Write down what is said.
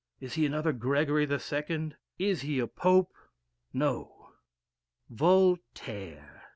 Is he another Gregory II.? Is he a Pope? No Voltaire."